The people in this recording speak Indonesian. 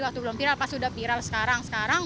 waktu belum viral pasti udah viral sekarang sekarang